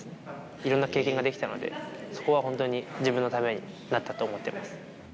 いろんな経験ができたので、そこは本当に自分のためになったと思ってます。